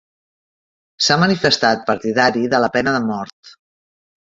S'ha manifestat partidari de la pena de mort.